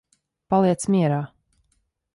Paliec mierā.